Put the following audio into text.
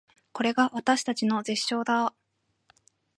これが私たちの絶唱だー